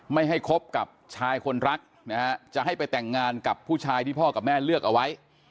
ไม่ให้คบกับชายคนรักนะฮะจะให้ไปแต่งงานกับผู้ชายที่พ่อกับแม่เลือกเอาไว้